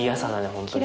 本当にね。